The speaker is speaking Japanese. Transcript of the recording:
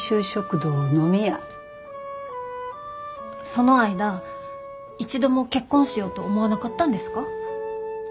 その間一度も結婚しようと思わなかったんですか？